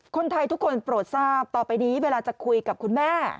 คนไทยทุกคนโปรดทราบต่อไปนี้เวลาจะคุยกับคุณแม่